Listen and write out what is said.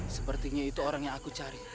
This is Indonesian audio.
sepertinya itu orang yang aku cari